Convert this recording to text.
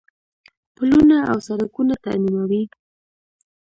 پلونه او سړکونه ترمیموي.